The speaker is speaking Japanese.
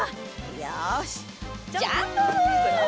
よしジャンプ！